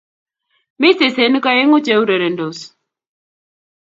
Mi sesenik aeng'u che urerendos